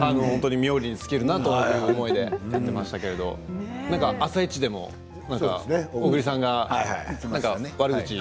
冥利に尽きるなという思いでやってましたけど「あさイチ」でも小栗さんが悪口を。